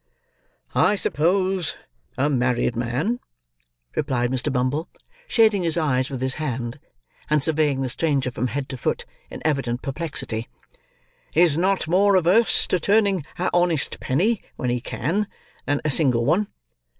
"I suppose, a married man," replied Mr. Bumble, shading his eyes with his hand, and surveying the stranger, from head to foot, in evident perplexity, "is not more averse to turning an honest penny when he can, than a single one.